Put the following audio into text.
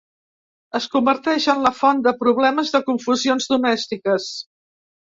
Es converteix en la font de problemes i de confusions domèstiques.